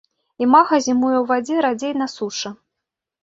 Імага зімуе ў вадзе, радзей на сушы.